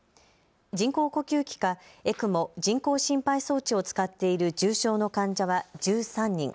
人工呼吸器かＥＣＭＯ・人工心肺装置を使っている重症の患者は１３人。